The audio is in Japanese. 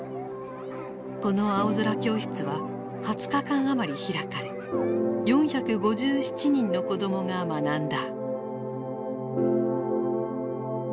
この青空教室は２０日間余り開かれ４５７人の子供が学んだ。